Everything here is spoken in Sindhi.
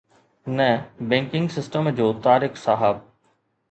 نه، بينڪنگ سسٽم جو طارق صاحب